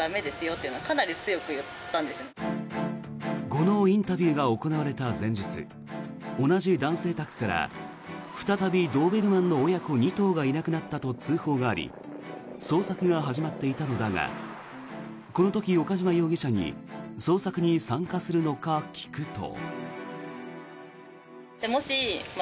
このインタビューが行われた前日同じ男性宅から再びドーベルマンの親子２頭がいなくなったと通報があり捜索が始まっていたのだがこの時、岡島容疑者に捜索に参加するのか聞くと。